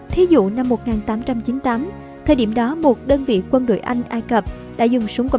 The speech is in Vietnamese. thí dụ năm một nghìn tám trăm chín mươi tám thời điểm đó một đơn vị quân đội anh ai cập đã dùng súng công